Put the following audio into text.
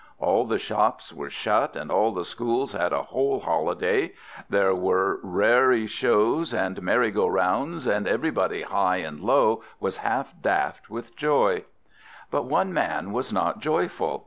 All the shops were shut, and all the schools had a whole holiday; there were raree shows and merry go rounds, and everybody high and low was half daft with joy. But one man was not joyful.